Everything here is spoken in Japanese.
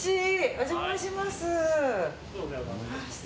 お邪魔します。